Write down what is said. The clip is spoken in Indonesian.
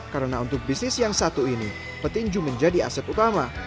karena untuk bisnis yang satu ini petinju menjadi aset utama